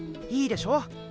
いいでしょ？